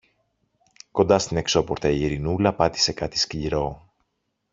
Κοντά στην εξώπορτα η Ειρηνούλα πάτησε κάτι σκληρό.